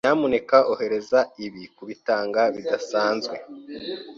Nyamuneka ohereza ibi kubitanga bidasanzwe.